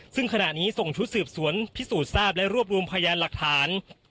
ซึ่งขณะนี้ส่งชุดสืบสวนพิสูจน์ทราบและรวบรวมพยานหลักฐาน